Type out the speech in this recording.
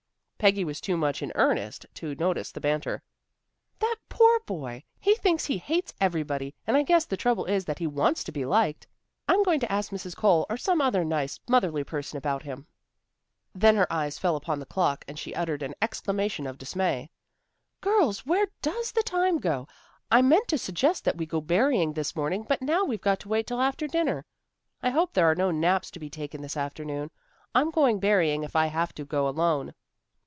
Peggy was too much in earnest to notice the banter. "That poor boy! He thinks he hates everybody, and I guess the trouble is that he wants to be liked. I'm going to ask Mrs. Cole or some other nice, motherly person about him." Then her eyes fell upon the clock and she uttered an exclamation of dismay. "Girls, where does the time go to? I meant to suggest that we go berrying this morning, but now we've got to wait till after dinner. I hope there are no naps to be taken this afternoon. I'm going berrying if I have to go alone."